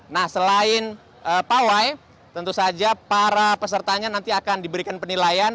nah selain pawai tentu saja para pesertanya nanti akan diberikan penilaian